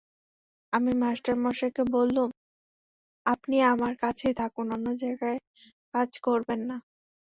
আমি মাস্টারমশায়কে বললুম, আপনি আমার কাছেই থাকুন, অন্য জায়গায় কাজ করবেন না।